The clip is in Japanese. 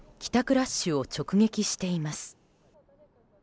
ラッシュを直撃しています。